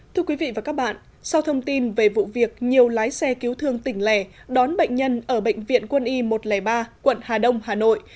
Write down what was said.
thưa quý vị và các bạn sau thông tin về vụ việc nhiều lái xe cứu thương tỉnh lẻ đón bệnh nhân ở bệnh viện quân y một trăm linh ba quận hà đông hà nội